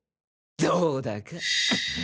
どうだか。